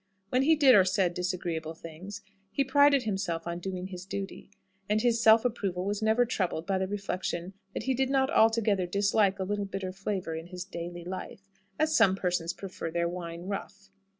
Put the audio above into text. When he did or said disagreeable things, he prided himself on doing his duty. And his self approval was never troubled by the reflection that he did not altogether dislike a little bitter flavour in his daily life, as some persons prefer their wine rough.